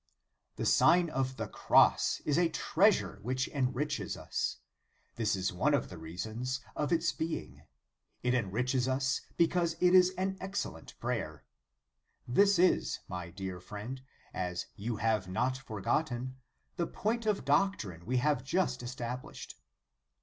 THE Sign of the Cross is a treasure which enriches us; this is one of the reasons of its being. It enriches us, because it is an excel lent prayer. This is, my dear friend, as you have not forgotten, the point of doctrine we have just established.